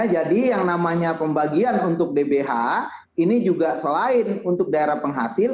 jadi yang namanya pembagian untuk dbh ini juga selain untuk daerah penghasil